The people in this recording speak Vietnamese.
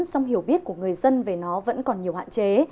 song hiểu biết của người dân về nó vẫn còn nhiều hạn chế